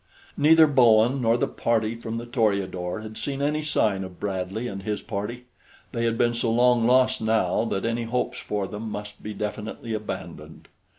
Neither Bowen nor the party from the Toreador had seen any sign of Bradley and his party. They had been so long lost now that any hopes for them must be definitely abandoned.